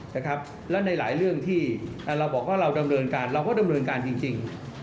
และในหลายเรื่องที่เราบอกว่าเราดำเนินการเราก็ดำเนินการจริง